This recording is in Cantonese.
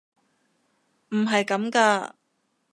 唔係咁㗎！